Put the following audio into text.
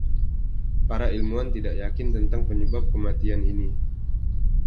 Para ilmuwan tidak yakin tentang penyebab kematian ini.